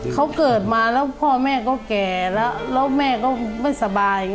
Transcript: เขาเกิดมาแล้วพ่อแม่ก็แก่แล้วแล้วแม่ก็ไม่สบาย